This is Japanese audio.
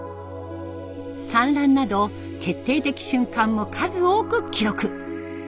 産卵など決定的瞬間も数多く記録。